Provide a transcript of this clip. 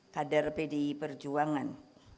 kadar pdi perjuangan